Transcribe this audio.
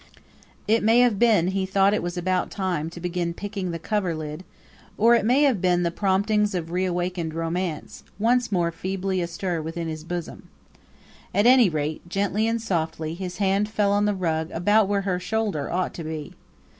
It may have been he thought it was about time to begin picking the coverlid, or it may have been the promptings of reawakened romance, once more feebly astir within his bosom. At any rate, gently and softly, his hand fell on the rug about where her shoulder ought to be.